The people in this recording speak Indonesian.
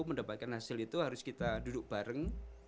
mendapatkan hasil itu harus kita duduk bareng